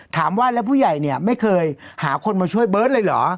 ถามว่าแล้วผู้ใหญ่เนี่ยไม่เคยหาคนมาช่วยเบิร์ตเลยเหรอ